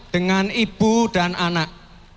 dengan ibu dan anak